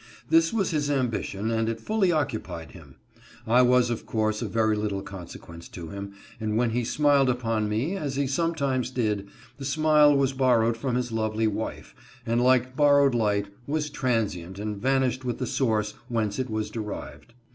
This was his ambition, and it fully occupied him. I was of course of very little consequence to him, and when he smiled upon me, as he sometimes did, the smile was borrowed from his lovely wife, and like borrowed light, was transient, and vanished with the source whence it was derived.